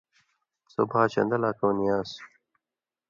سو بھاں شن٘دہ لا کؤں نی آن٘س۔